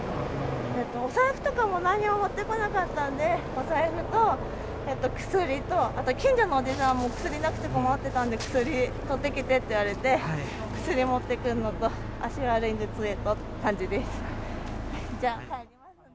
お財布とかもなんにも持ってこなかったんで、お財布と、薬と、あと近所のおじさんも、薬なくて困ってたんで、薬取ってきてって言われて、薬持ってくるのと、足が悪いんで、つえとっていう感じです。